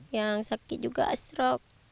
yang sakit juga stroke